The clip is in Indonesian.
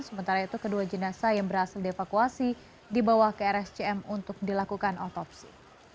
sementara itu kedua jenazah yang berhasil dievakuasi dibawa ke rscm untuk dilakukan otopsi